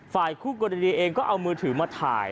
ฝ่ายคู่กรณีเองก็เอามือถือมาถ่าย